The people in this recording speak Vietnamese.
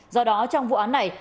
do đó trong vụ án này